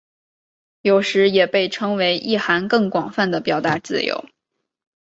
有时也被称为意涵更广泛的表达自由。